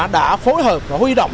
đã phối hợp và huy động